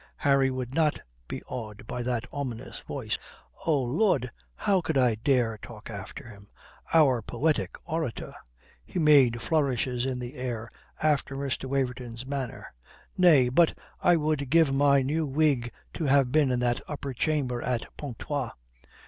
Harry would not be awed by that ominous voice. "Oh Lud, how could I dare talk after him? Our poetic orator!" He made flourishes in the air after Mr. Waverton's manner. "Nay, but I would give my new wig to have been in that upper chamber at Pontoise.